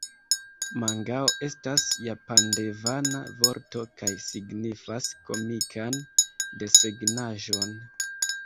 Mangao estas japandevana vorto kaj signifas komikan desegnaĵon.